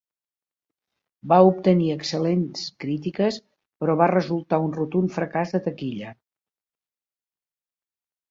Va obtenir excel·lents crítiques però va resultar un rotund fracàs de taquilla.